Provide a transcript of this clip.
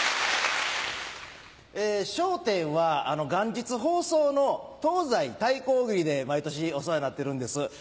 『笑点』は元日放送の東西対抗大喜利で毎年お世話になってるんです。